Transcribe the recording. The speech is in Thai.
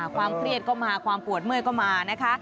ความเครียดก็มาความปวดเมื่อยก็มานะคะ